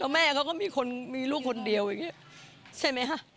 แม่เขาก็มีคนมีลูกคนเดียวอย่างนี้ใช่ไหมคะ